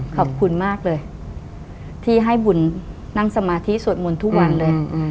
ขอบคุณมากเลยที่ให้บุญนั่งสมาธิสวดมนต์ทุกวันเลย